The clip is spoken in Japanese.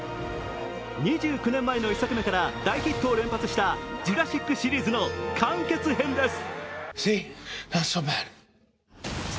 ２９年前の１作目から大ヒットを連発した「ジュラシック」シリーズの完結編です。